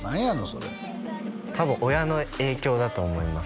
それ多分親の影響だと思います